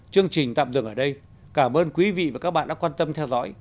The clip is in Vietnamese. chương trình tạm dừng ở đây cảm ơn quý vị và các bạn đã quan tâm theo dõi